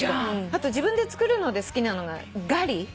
あと自分で作るので好きなのがガリ。